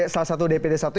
salah satu dpd satu